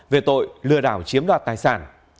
về tội lừa đảo chiếm đoạt tài sản